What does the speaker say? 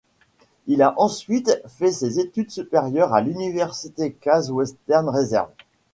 Il a ensuite fait ses études supérieures à l'université Case Western Reserve.